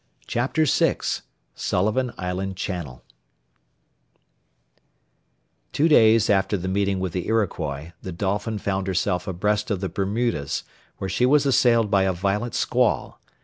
Chapter VI SULLIVAN ISLAND CHANNEL Two days after the meeting with the Iroquois, the Dolphin found herself abreast of the Bermudas, where she was assailed by a violent squall.